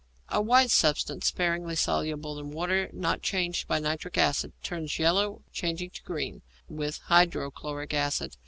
_ A white substance, sparingly soluble in water, not changed by nitric acid; turns yellow, changing to green, with hydrochloric acid.